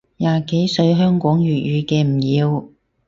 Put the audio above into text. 廿幾歲香港粵語嘅唔要